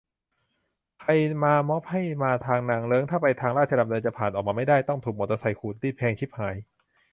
"ใครมาม็อบให้มาทางนางเลิ้ง ถ้าไปทางราชดำเนินจะผ่านออกมาไม่ได้ ต้องถูกมอไซต์ขูดรีด แพงฉิบหาย"